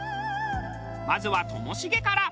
まずはともしげから。